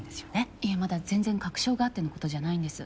いえまだ全然確証があってのことじゃないんです。